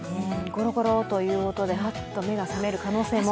ゴロゴロという音でハッと目が覚める可能性も。